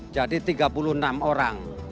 jadi tiga puluh enam orang